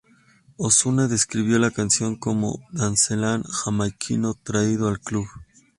Ozuna describió la canción como "dancehall jamaiquino, traído al club".